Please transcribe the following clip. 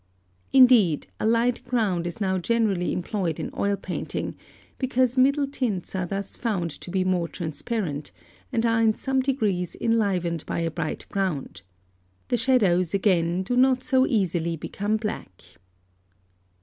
Indeed a light ground is now generally employed in oil painting, because middle tints are thus found to be more transparent, and are in some degree enlivened by a bright ground; the shadows, again, do not so easily become black.